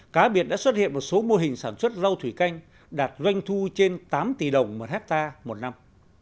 cá biệt đã xuất hiện một số mô hình sản xuất rau thủy canh đạt doanh thu trên tám tỷ đồng một hectare một năm